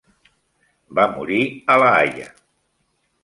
Va morir a L'Haia.